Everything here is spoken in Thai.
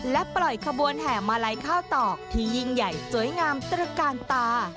และปล่อยขบวนแห่มาลัยข้าวตอกที่ยิ่งใหญ่สวยงามตระกาลตา